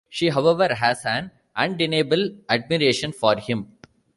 She, however, has an undeniable admiration for him.